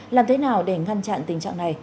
làm thế nào để ngăn chặn tình trạng này